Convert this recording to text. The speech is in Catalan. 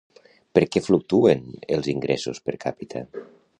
Per què fluctuen els ingressos per càpita?